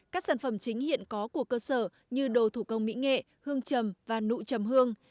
các sản phẩm chính hiện có của cơ sở như đồ thủ công mỹ nghệ hương trầm và nụ chầm hương